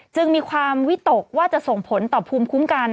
จึงมีความวิตกว่าจะส่งผลต่อภูมิคุ้มกัน